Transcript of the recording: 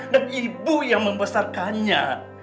dan ibu yang membesarkannya